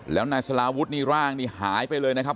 แล้วนายสลาวุฒินี่ร่างนี่หายไปเลยนะครับ